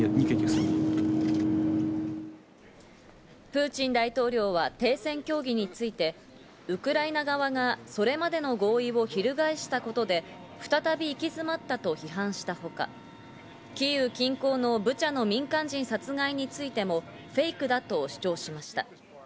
プーチン大統領は停戦協議について、ウクライナ側がそれまでの合意を翻したことで再び行き詰まったと批判したほか、キーウ近郊のブチャの民間人殺害についてもフェイクだと主張しました。